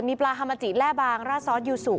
มีปลาฮามาจิแร่บางราดซอสยูซู